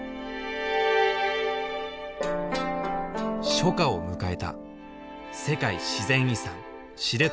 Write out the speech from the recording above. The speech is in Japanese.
初夏を迎えた世界自然遺産知床